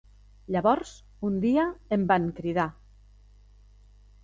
Llavors un dia em van cridar.